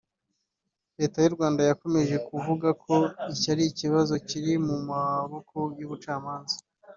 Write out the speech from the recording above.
Leta y’u Rwanda yakomeje kuvuga ko iki ari ikibazo kiri mu maboko y’ubucamanza